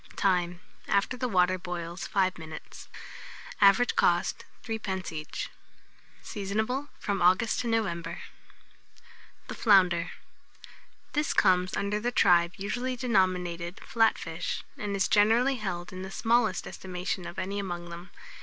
Time. After the water boils, 5 minutes. Average cost, 3d. each. Seasonable from August to November. [Illustration: FLOUNDERS.] THE FLOUNDER. This comes under the tribe usually denominated Flat fish, and is generally held in the smallest estimation of any among them.